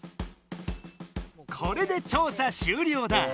これで調査終りょうだ。